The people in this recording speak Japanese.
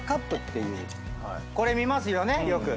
これ見ますよねよく。